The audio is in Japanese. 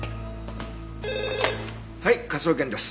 はい科捜研です。